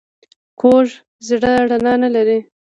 کوږ زړه رڼا نه لري